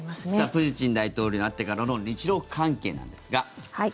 プーチン大統領になってからの日ロ関係ですが。